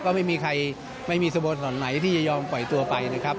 ก็ไม่มีใครไม่มีสโมสรไหนที่จะยอมปล่อยตัวไปนะครับ